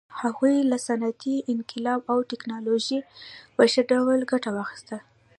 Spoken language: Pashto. هغوی له صنعتي انقلاب او ټکنالوژۍ په ښه ډول ګټه واخیسته.